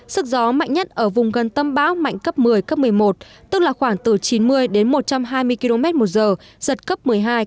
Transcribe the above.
sức gió mạnh nhất ở vùng gần tâm bão mạnh cấp một mươi một mươi một tức là khoảng từ chín mươi một trăm hai mươi km một giờ giật cấp một mươi hai một mươi ba